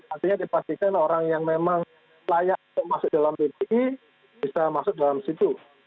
artinya dipastikan orang yang memang layak untuk masuk dalam bpi bisa masuk dalam situ